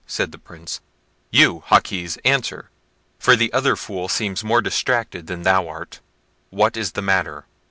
said the Prince: "you, Jaquez, answer; for the other fool seems more distracted than thou art; what is the matter?"